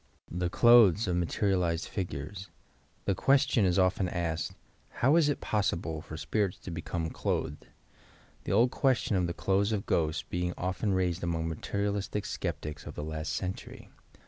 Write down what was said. '' THE CLOTHES OP MATERIALIZED FIGUBBG The question is often asked: "How is it possible for spirits to become cl otkedf — the old question of the "clothes of ghosts" being often raised among material istic sceptics of the last century.